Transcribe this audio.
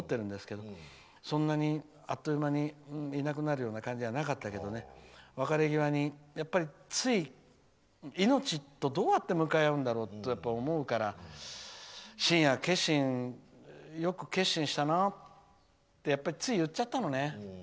彼と撮った写真僕、持ってるんですけどあっという間にいなくなるような感じじゃなかったけど別れ際につい命とどうやって向かい合うんだろうとやっぱり思うからしんや、よく決心したなってつい、言っちゃったのね。